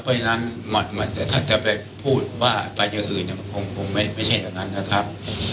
เพราะฉะนั้นแต่ถ้าจะไปพูดว่าไปอย่างอื่นมันคงไม่ใช่อย่างนั้นนะครับ